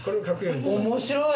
面白い。